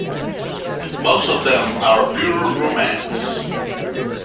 Most of them are pure romance.